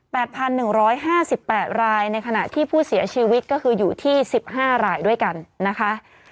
พันหนึ่งร้อยห้าสิบแปดรายในขณะที่ผู้เสียชีวิตก็คืออยู่ที่สิบห้ารายด้วยกันนะคะ